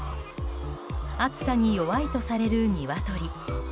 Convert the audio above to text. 暑さに弱いとされるニワトリ。